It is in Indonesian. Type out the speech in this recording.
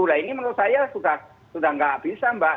nah ini menurut saya sudah nggak bisa mbak